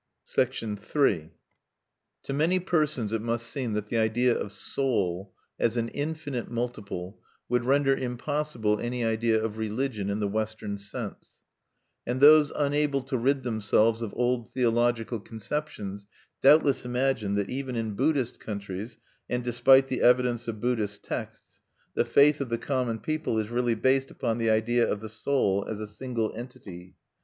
(1) Principles of Psychology: "The Feelings." III To many persons it must seem that the idea of Soul as an infinite multiple would render impossible any idea of religion in the Western sense; and those unable to rid themselves of old theological conceptions doubtless imagine that even in Buddhist countries, and despite the evidence of Buddhist texts, the faith of the common people is really based upon the idea of the soul as a single entity.